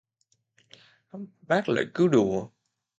Bác lại cứ đùa